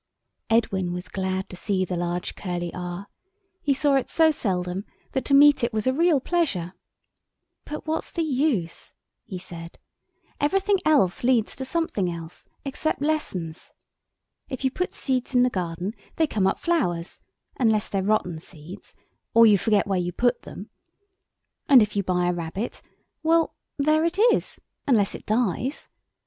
Edwin was glad to see the large curly R. He saw it so seldom that to meet it was a real pleasure. "But what's the use?" he said. "Everything else leads to something else, except lessons. If you put seeds in the garden they come up flowers, unless they're rotten seeds or you forget where you put them. And if you buy a rabbit—well, there it is, unless it dies.